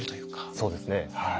そうですねはい。